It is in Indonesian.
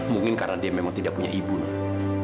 mungkin karena dia memang tidak punya ibu nanti